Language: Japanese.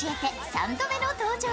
３度目の登場。